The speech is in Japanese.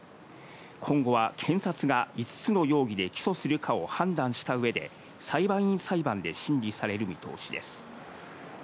今後は検察が５つの容疑で起訴するかを判断した上で、裁判員裁判で審理される見通しです。